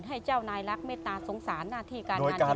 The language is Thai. ให้เจ้านายรักเมตตาสงสารหน้าที่การงานทำ